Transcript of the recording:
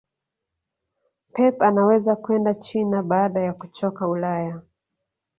pep anaweza kwenda china baada ya kuchoka ulaya